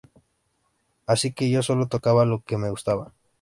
Así que yo sólo tocaba lo que me gustaba.